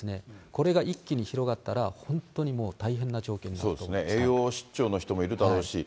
これが一気に広がったら、本当にもう大変な状況になると思います。